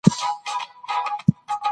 ګنجوالی په نارینه او ښځینه کې توپیر لري.